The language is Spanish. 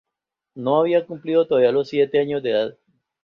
No había cumplido todavía los siete años de edad.